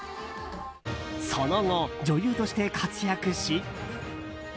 その後、女優として活躍し。